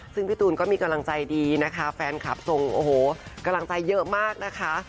ซึ่งพี่ตูนก็มีกำลังใจดีนะคะแฟนคลับทรงโอ้โหกำลังใจเยอะมากนะคะ